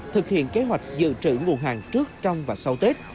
thực hiện kế hoạch dự trữ nguồn hàng trước trong và sau tết